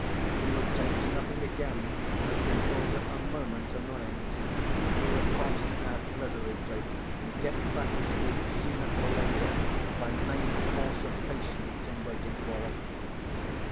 he would take to nothing again that could cause her a moment's annoyance; he would fight it out resolutely, and get back his sleep, sooner or later, by main force of patience in waiting for it.